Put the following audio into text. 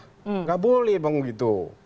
tidak boleh begitu